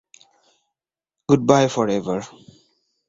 Goodbye forever.